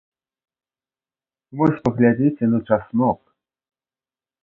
Вось паглядзіце на часнок!